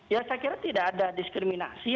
ya saya kira tidak ada diskriminasi